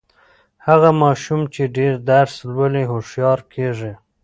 هغه ماشوم چې ډېر درس لولي، هوښیار کیږي.